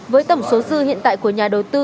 với tổng số dư hiện tại của nhà đầu tư